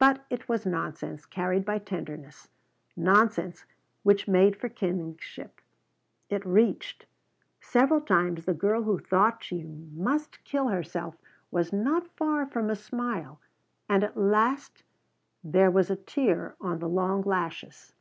But it was nonsense carried by tenderness. Nonsense which made for kinship. It reached. Several times the girl who thought she must kill herself was not far from a smile and at last there was a tear on the long lashes.